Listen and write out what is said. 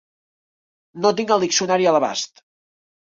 No tinc el diccionari a l'abast.